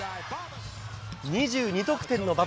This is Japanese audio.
２２得点の馬場。